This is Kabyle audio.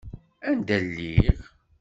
Anda lliɣ?